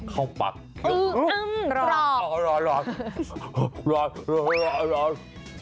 ข้าวปักรอบราดรอด